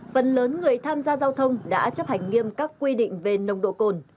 phần lớn người tham gia giao thông đã chấp hành nghiêm các quy định về nồng độ cồn